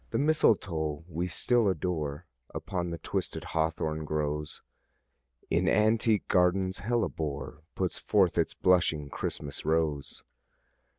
The mistletoe we still adore Upon the twisted hawthorn grows: In antique gardens hellebore Puts forth its blushing Christmas rose.